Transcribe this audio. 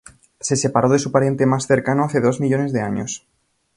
Se separó de su pariente más cercano hace dos millones de años.